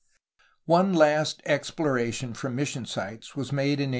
One last exploration for mission sites was made in 1821.